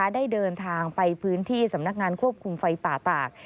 ได้เดินทางไปพื้นที่สำนักงานควบคุมไฟป่าตาก